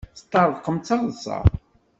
Teṭṭerḍqem d taḍsa.